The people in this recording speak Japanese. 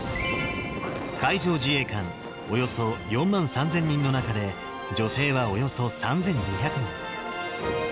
海上自衛官およそ４万３０００人の中で、女性はおよそ３２００人。